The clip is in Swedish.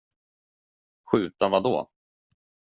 Skjuta vad då?